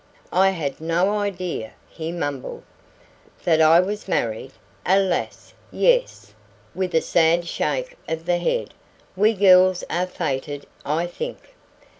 "I had no idea " he mumbled. "That I was married? Alas, yes!" with a sad shake of the head. "We girls are fated, I think."